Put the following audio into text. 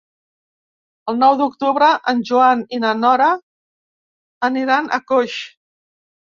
El nou d'octubre en Joan i na Nora aniran a Coix.